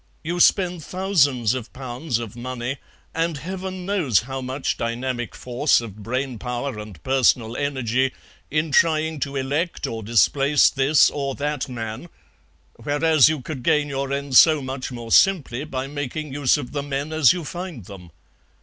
You spend thousands of pounds of money, and Heaven knows how much dynamic force of brain power and personal energy, in trying to elect or displace this or that man, whereas you could gain your ends so much more simply by making use of the men as you find them.